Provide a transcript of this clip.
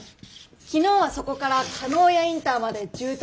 昨日はそこから叶谷インターまで渋滞で約２時間。